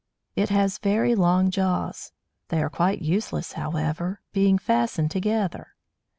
] It has very long jaws. They are quite useless, however, being fastened together!